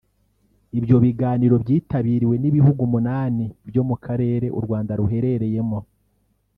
Ibyo biganiro byitabiriwe n’ibihugu umunani byo mu Karere u Rwanda ruherereyemo